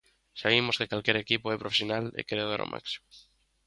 Xa vimos que calquera equipo é profesional e quere dar o máximo.